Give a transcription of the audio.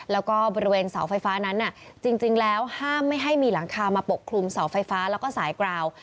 แล้วก็บริเวณเสาไฟฟ้านั้นจริงแล้วห้ามไม่ให้มีหลังคามาปกคลุมเสาไฟฟ้าแล้วก็สายกราว